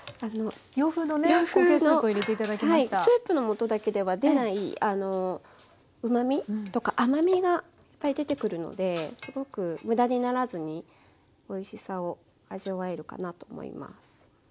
スープの素だけでは出ないうまみとか甘みがいっぱい出てくるのですごく無駄にならずにおいしさを味わえるかなと思います。